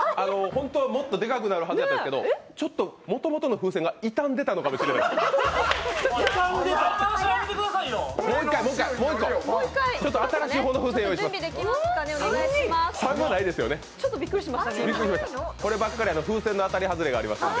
本当はもっとでかくなるはずだったんですけど、もともとの風船が傷んでたのかもしれません。